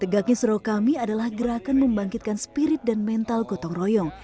tegaknya serau kami adalah gerakan membangkitkan spirit dan mental gotong royong